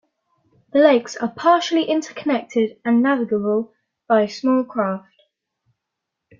The lakes are partially interconnected and navigable by small craft.